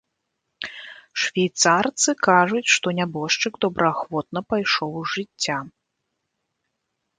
Швейцарцы кажуць, што нябожчык добраахвотна пайшоў з жыцця.